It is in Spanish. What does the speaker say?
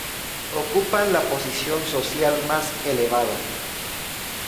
Ocupan la posición social más elevada.